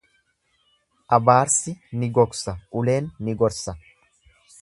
Abaarsi ni gogsa uleen ni gorsa.